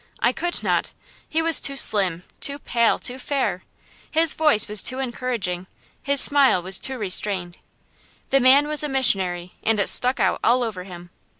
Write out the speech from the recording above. I could not. He was too slim, too pale, too fair. His voice was too encouraging, his smile was too restrained. The man was a missionary, and it stuck out all over him.